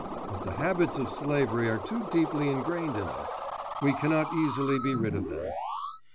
but the habits of slavery are too deeply ingrained in us; we cannot easily be rid of them.